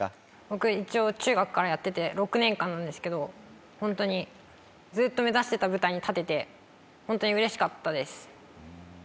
僕一応中学からやってて６年間なんですけどホントにずっと目指してた舞台に立ててホントにうれしかったです。